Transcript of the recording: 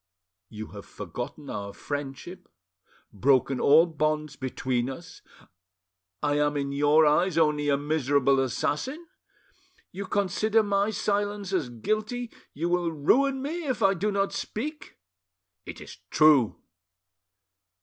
"You have forgotten our friendship, broken all bonds between us: I am in your eyes only a miserable assassin? You consider my silence as guilty, you will ruin me if I do not speak?" "It is true."